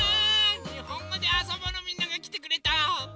「にほんごであそぼ」のみんながきてくれた！